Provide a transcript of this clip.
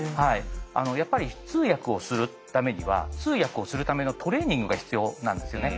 やっぱり通訳をするためには通訳をするためのトレーニングが必要なんですよね。